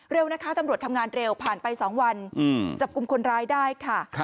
เร็วนะคะตำรวจทำงานเร็วผ่านไป๒วันจับกลุ่มคนร้ายได้ค่ะ